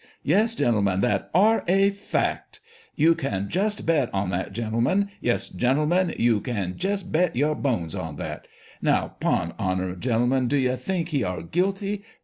Yes, gentlemen, that are a fact. You kin just bet on that, gentlemen. Yes, gentle men, you kin jist bet your bones on that ! Now, 'pon honour, gentlemen, do you think he are guilty